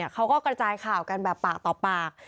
เขาก็กระจายข่าวกันแบบปากต่อปาก